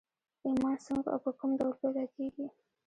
ايمان څنګه او په کوم ډول پيدا کېږي؟